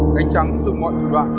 khánh trắng dùng mọi thủ đoạn